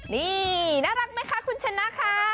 นี่น่ารักไหมคะคุณชนะค่ะ